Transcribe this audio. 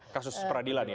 kasus peradilan ya